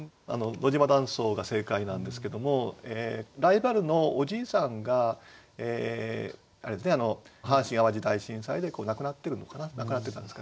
野島断層が正解なんですけどもライバルのおじいさんが阪神・淡路大震災で亡くなってるのかな亡くなってたんですかね。